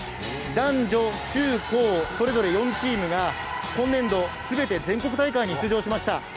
男女、中高、それぞれ４チームが今年度全て全国大会に出場しました。